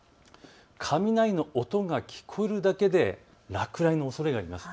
雷の音が聞こえるだけで落雷のおそれがあります。